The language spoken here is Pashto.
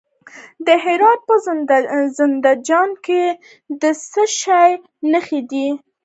د هرات په زنده جان کې د څه شي نښې دي؟